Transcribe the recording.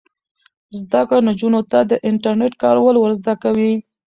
زده کړه نجونو ته د انټرنیټ کارول ور زده کوي.